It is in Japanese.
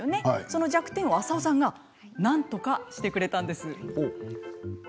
その弱点を浅尾さんがなんとかしてくれました。